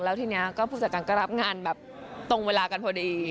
แล้วที่นี้ก็พูดจากกันก็รับงานตรงเวลากันพอดี